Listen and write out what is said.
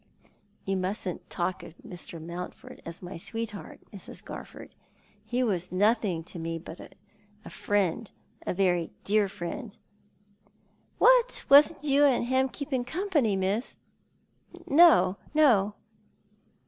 "Y"ou mustn't talk of Mr. IMountford as my sweetheart, Mrs. Garforth. He was nothing to me but a friend — a very dear friend." "What, wasn't you and him keeping company. Miss?" " No, no."